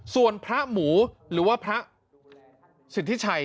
ส่วนพระหมูหรือว่าพระสิทธิชัย